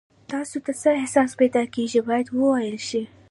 تاسو ته څه احساس پیدا کیږي باید وویل شي.